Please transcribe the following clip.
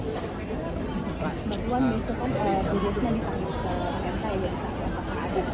berlaluan besok video ini disambung ke mta yang akan ada